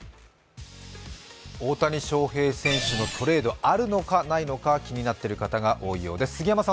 大谷翔平選手のトレードあるのかないのか気になっている方が多いようです。